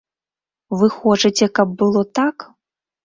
Вы хочаце, каб было так?